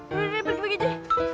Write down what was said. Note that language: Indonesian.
udah udah udah pergi pergi aja